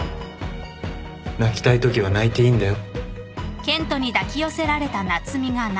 泣きたいときは泣いていいんだよ。